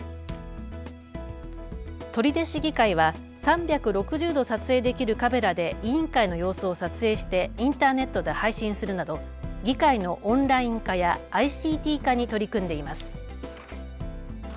取手市議会は３６０度撮影できるカメラで委員会の様子を撮影してインターネットで配信するなど議会のオンライン化やＩＣＴ化に取り組んでいます。